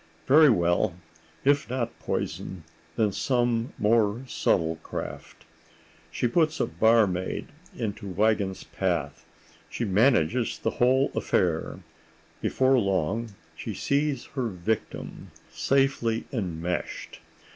Very well, if not poison, then some more subtle craft. She puts a barmaid into Wiegand's path; she manages the whole affair; before long she sees her victim safely enmeshed.